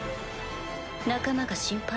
仲間が心配？